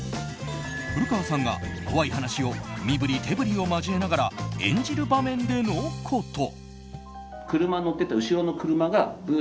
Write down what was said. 古川さんが怖い話を身振り手振りを交えながら演じる場面でのこと。